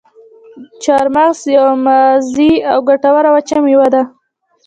چارمغز یوه مغذي او ګټوره وچه میوه ده.